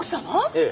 ええ。